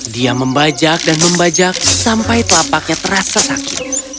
dia membajak dan membajak sampai telapaknya terasa sakit